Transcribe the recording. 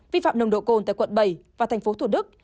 vi phạm nồng độ cồn tại quận bảy và thành phố thủ đức